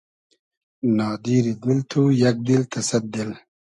نادیری دیل تو یئگ دیل تۂ سئد دیل